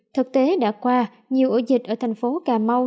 thực tế đã qua nhiều ổ dịch ở thành phố cà mau